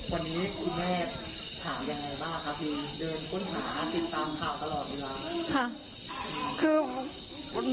วันนี้คุณแม่ถามยังไงบ้างครับที่เดินค้นหาติดตามข่าวตลอดเวลา